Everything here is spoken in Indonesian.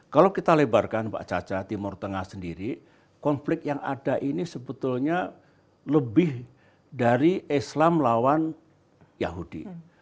kalau kita lebarkan pak caca timur tengah sendiri konflik yang ada ini sebetulnya lebih dari islam lawan yahudi